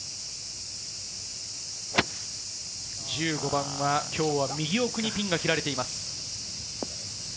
１５番は今日は右奥にピンが切られています。